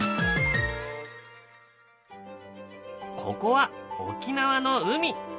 ここは沖縄の海。